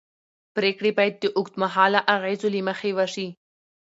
پرېکړې باید د اوږدمهاله اغېزو له مخې وشي